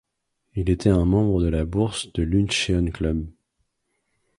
Il était un membre de la Bourse de Luncheon Club.